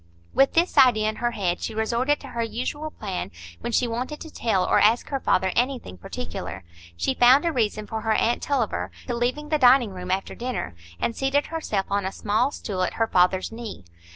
With this idea in her head, she resorted to her usual plan when she wanted to tell or ask her father anything particular: she found a reason for her aunt Tulliver to leave the dining room after dinner, and seated herself on a small stool at her father's knee.